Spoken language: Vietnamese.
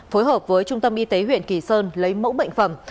phối hợp với trung tâm y tế huyện kỳ sơn lấy mẫu bệnh phẩm